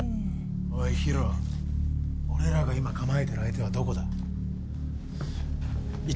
おいヒロ俺らが今構えてる相手はどこだ？市松っす。